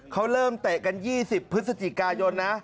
เขาเริ่มเตะกัน๒๐พฤศจิกายนนะ